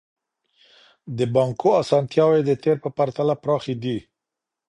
د بانکو اسانتياوې د تېر په پرتله پراخي دي.